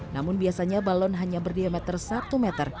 namun biasanya balon hanya berdiameter satu meter